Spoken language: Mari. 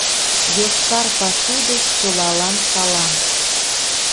«Йошкар пасу» деч чылалан салам!